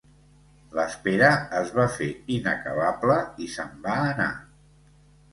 L'espera es va fer inacabable i se'n va anar.